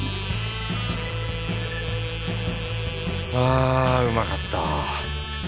あうまかった。